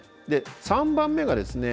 ３番目がですね